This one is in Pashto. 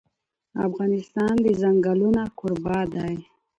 افغانستان د ځنګلونه کوربه دی.